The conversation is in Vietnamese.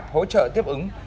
hỗ trợ tiếp ứng